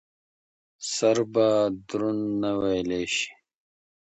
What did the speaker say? سره به دروند نه وېل شي.